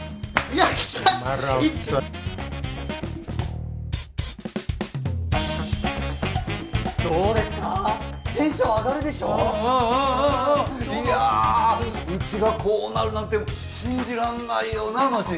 いやうちがこうなるなんて信じらんないよなっ万智。